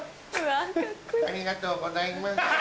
ありがとうございます。